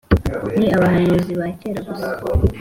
Ni abahanuziba kera gusa